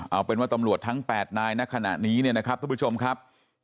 เอาเป็นว่าตำรวจทั้ง๘นายณขณะนี้เนี่ยนะครับทุกผู้ชมครับ